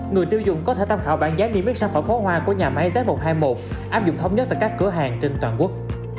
người tiêu dùng có thể tham khảo bản giá niêm yết sản phẩm pháo hoa của nhà máy z một trăm hai mươi một áp dụng thống nhất tại các cửa hàng trên toàn quốc